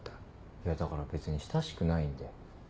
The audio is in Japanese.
いやだから別に親しくないんで。